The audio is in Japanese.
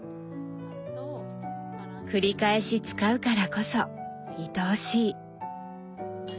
くり返し使うからこそ愛おしい。